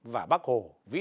và bắc hồ